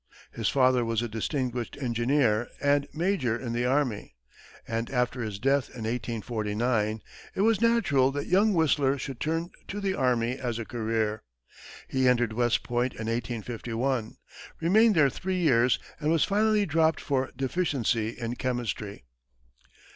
His father was a distinguished engineer, and major in the army, and after his death in 1849, it was natural that young Whistler should turn to the army as a career. He entered West Point in 1851, remained there three years, and was finally dropped for deficiency in chemistry.